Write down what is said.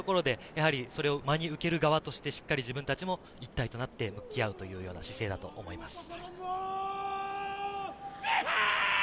それを真に受ける側としてしっかり自分たちも一体となって向き合う姿勢だと思います。